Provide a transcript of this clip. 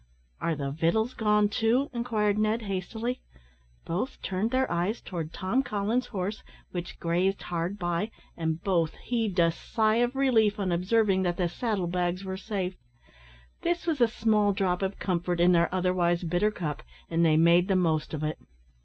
"Are the victuals gone too?" inquired Ned, hastily. Both turned their eyes towards Tom Collins's horse, which grazed hard by, and both heaved a sigh of relief on observing that the saddle bags were safe. This was a small drop of comfort in their otherwise bitter cup, and they made the most of it.